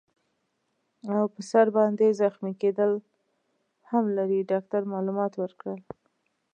او پر سر باندي زخمي کیدل هم لري. ډاکټر معلومات ورکړل.